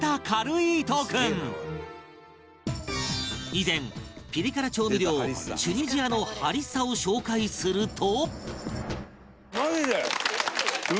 以前ピリ辛調味料チュニジアのハリッサを紹介すると